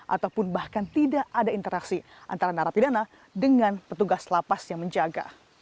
ataupun bahkan tidak ada interaksi antara narapidana dengan petugas lapas yang menjaga